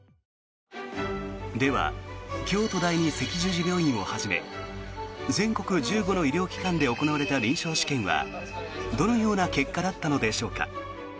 では京都第二赤十字病院をはじめ全国１５の医療機関で行われた臨床試験はどのような結果だったのでしょうか。